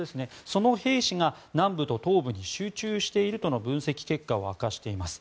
その兵士が南部と東部に集中しているとの分析結果を明かしています。